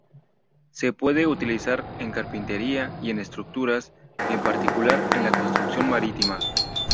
Se puede utilizar en carpintería y en estructuras, en particular, en la construcción marítima.